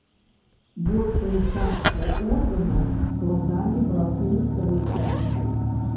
Большую частку ордэнаў складалі браты-рыцары.